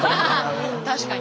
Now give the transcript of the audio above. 確かに。